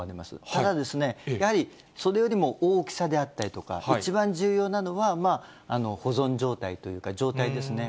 ただ、やはり、それよりも大きさであったりとか、一番重要なのは、保存状態というか、状態ですね。